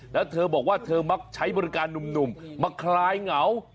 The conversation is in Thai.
แล้วเธอบอกว่าเธอมักใช้บริการหนุ่มมาคลายเหงา